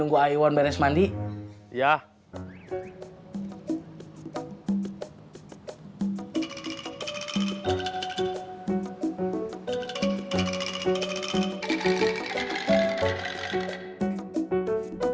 tunggu x riv legitimately